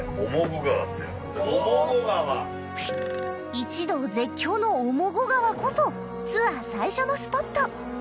一同絶叫の「面河川」こそツアー最初のスポット